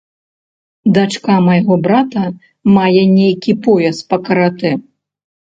Дачка майго брата мае нейкі пояс па каратэ.